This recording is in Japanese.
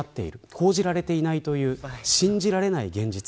報じられていないという信じられない現実。